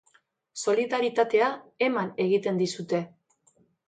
Solidaritatea, eman egiten dizute.